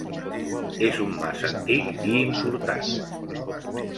És un mas antic i important.